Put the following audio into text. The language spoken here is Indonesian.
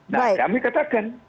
nah kami katakan